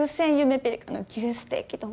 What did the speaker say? ぴりかの牛ステーキ丼